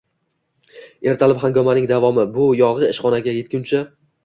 Ertalab hangomaning davomi, bu yog`i ishxonaga etguncha